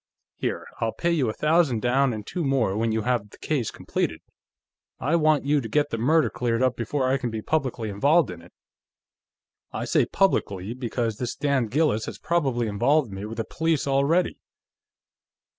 Here; I'll pay you a thousand down, and two more when you have the case completed; I want you to get the murder cleared up before I can be publicly involved in it. I say publicly, because this damned Gillis has probably involved me with the police already."